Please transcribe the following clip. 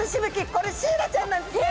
これシイラちゃんなんですね！